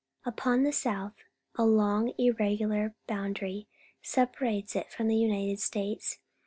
Upon the south a long, irregular boundary separates it from the United States.